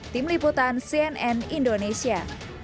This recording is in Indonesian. tim liputan cnn indonesia